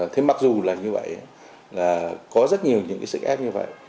thế mặc dù là như vậy có rất nhiều những sức ép như vậy